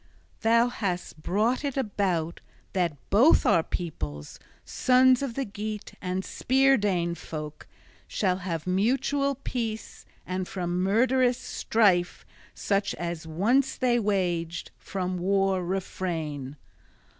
Thou hast brought it about that both our peoples, sons of the Geat and Spear Dane folk, shall have mutual peace, and from murderous strife, such as once they waged, from war refrain.